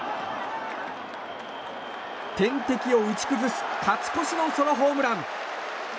天敵を打ち崩す勝ち越しのソロホームラン。